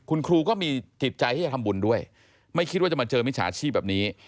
คุณครูก็มีจิตใจที่จะทำบุญด้วยไม่คิดว่าจะมาเจอมิจฉาชีพแบบนี้